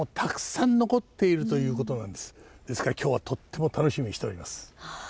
ですから今日はとっても楽しみにしております。